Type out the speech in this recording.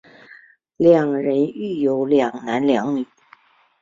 两人育有两男两女。